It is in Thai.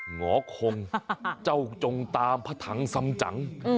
หงอคงเจ้าจงตามพระถังสำจัง